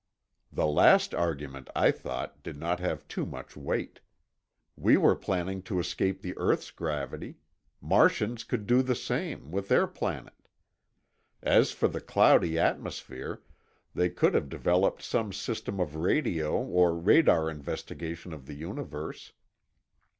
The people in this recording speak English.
The last argument, I thought, did not have too much weight. We were planning to escape the earth's gravity; Martians could do the same, with their planet. As for the cloudy atmosphere, they could have developed some system of radio or radar investigation of the universe.